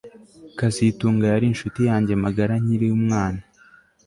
kazitunga yari inshuti yanjye magara nkiri umwana